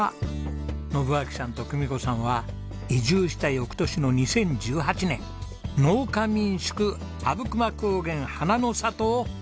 信秋さんと久美子さんは移住した翌年の２０１８年農家民宿あぶくま高原花の里をオープンしたんです。